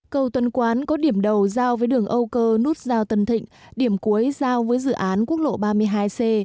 cầu tuần quán có điểm đầu giao với đường âu cơ nút giao tân thịnh điểm cuối giao với dự án quốc lộ ba mươi hai c